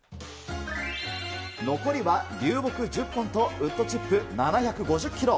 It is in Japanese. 残りは流木１０本とウッドチップ７５０キロ。